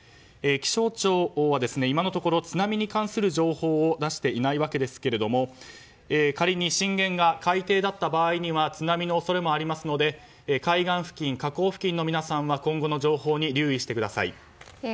気象庁は今のところ津波に関する情報を出していないわけですけども仮に震源が海底だった場合には津波の恐れもありますので海岸付近、河口付近の皆さんは今後の情報に留意してください。